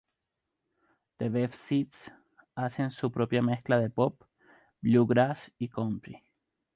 The Beef Seeds hacen su propia mezcla de pop, bluegrass, y country.